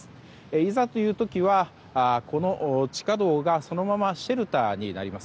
いざという時は、この地下道がそのままシェルターになります。